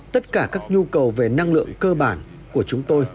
tất cả các nhu cầu về năng lượng cơ bản của chúng tôi